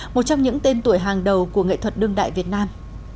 một trong những tên tuổi hàng đầu của nghệ thuật đương đại việt nam